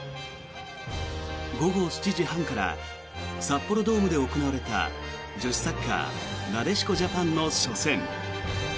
午後７時半から札幌ドームで行われた女子サッカーなでしこジャパンの初戦。